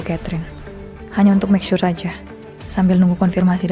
terima kasih sus